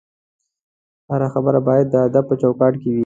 هره خبره باید د ادب چوکاټ کې وي